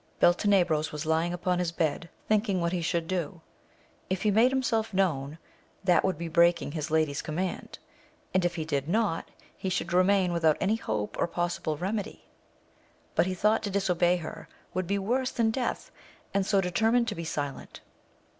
Beltenebros was lying upon his bed, thinking what he should do : if he made him self known, that would be breaking his lady's com mand, and, if he did not, he should remam without any hope or possible remedy ; but he thought to disobey her will would be worse than death, and so deter mined to be silent.